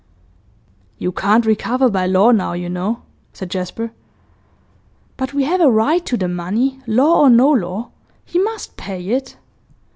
'You can't recover by law now, you know,' said Jasper. 'But we have a right to the money, law or no law. He must pay it.